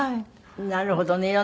なるほどね。